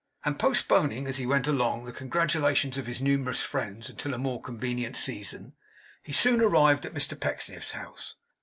And postponing as he went along the congratulations of his numerous friends until a more convenient season, he soon arrived at Mr Pecksniff's house.